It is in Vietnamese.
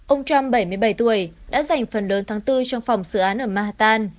ông trump bảy mươi bảy tuổi đã giành phần lớn tháng bốn trong phòng sự án ở manhattan